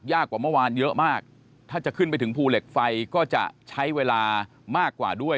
กว่าเมื่อวานเยอะมากถ้าจะขึ้นไปถึงภูเหล็กไฟก็จะใช้เวลามากกว่าด้วย